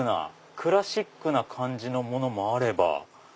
クラシックな感じのものもあれば。